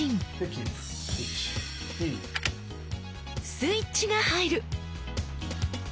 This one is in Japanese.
スイッチが入る！